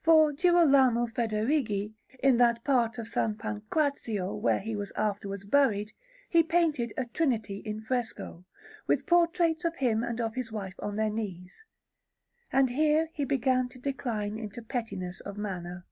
For Girolamo Federighi, in that part of S. Pancrazio where he was afterwards buried, he painted a Trinity in fresco, with portraits of him and of his wife on their knees; and here he began to decline into pettiness of manner.